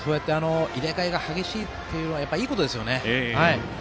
入れ替えが激しいのはいいことですよね。